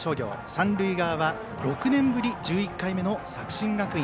三塁側は６年ぶり１１回目の作新学院。